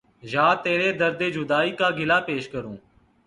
یا ترے درد جدائی کا گلا پیش کروں